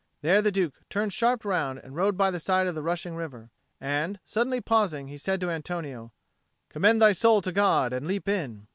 There the Duke turned sharp round and rode by the side of the rushing river. And, suddenly pausing, he said to Antonio, "Commend thy soul to God and leap in."